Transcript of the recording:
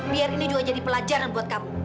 biar ini juga jadi pelajaran buat kamu